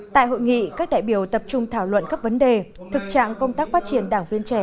tại hội nghị các đại biểu tập trung thảo luận các vấn đề thực trạng công tác phát triển đảng viên trẻ